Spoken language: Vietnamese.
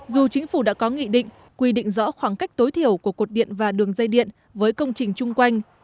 dù chính phủ đã có nghị định quy định rõ khoảng cách tối thiểu của cột điện và đường dây điện với công trình chung quanh